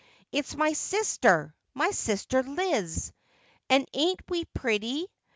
It's my sister — my sister Liz. And ain't we pretty ?